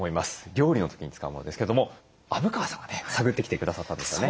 料理の時に使うものですけれども虻川さんがね探ってきてくださったんですよね。